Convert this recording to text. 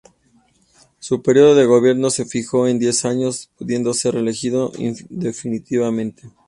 Su período de gobierno se fijó en diez años, pudiendo ser reelegido indefinidamente.